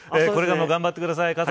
これからも頑張ってください。